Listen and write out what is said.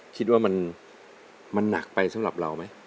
คิดว่ามันหนักไปสำหรับเราไหม